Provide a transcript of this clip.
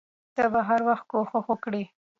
ته به هر وخت کوښښ وکړې.